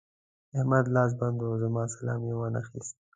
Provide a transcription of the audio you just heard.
د احمد لاس بند وو؛ زما سلام يې وانخيست.